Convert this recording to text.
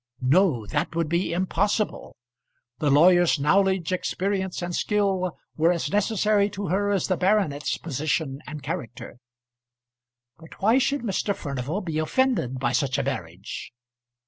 No; that would be impossible. The lawyer's knowledge, experience, and skill were as necessary to her as the baronet's position and character. But why should Mr. Furnival be offended by such a marriage?